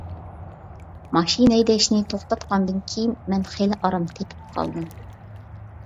ماشىنا ھەيدەشنى توختاتقاندىن كېيىن مەن خېلى ئارام تېپىپ قالدىم.